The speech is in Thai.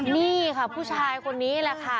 นี่ค่ะผู้ชายคนนี้แหละค่ะ